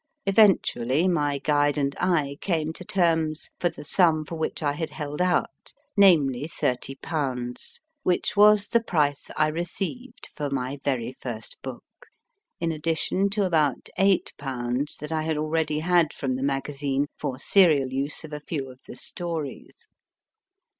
Eventually, my guide and I came to terms for the sum for which I had held out, namely, 3<D/., which was the price I received for my very first book, in addition to about S/. that I had already had from the magazine for serial use of a few of the stories.